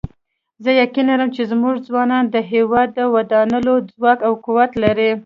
زه یقین لرم چې زموږ ځوانان د هیواد د ودانولو ځواک او قوت لري